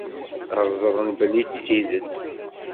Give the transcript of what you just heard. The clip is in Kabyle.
Ad ẓren belli d tidet.